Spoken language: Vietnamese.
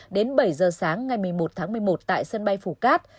đến bảy h sáng ngày một mươi một một mươi một tại sân bay phủ cát